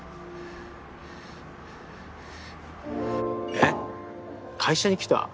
えっ会社に来た？